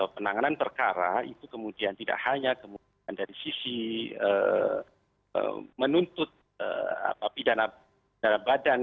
penanganan perkara itu kemudian tidak hanya kemudian dari sisi menuntut pidana dalam badan